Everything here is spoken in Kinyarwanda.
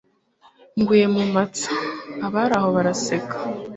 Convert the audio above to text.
Nguye mu matsa!" Abari aho baraseka,